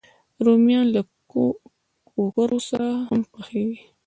رومیان له کوکرو سره هم پخېږي